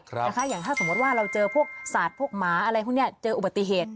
ใช่นะคะอย่างถ้าสมมติว่าเราเจอพวกสัตว์พวกหมาอะไรพวกเนี่ยเจออุบัติเหตุ